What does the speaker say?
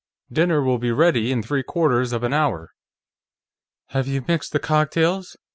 Dinner will be ready in three quarters of an hour." "Have you mixed the cocktails?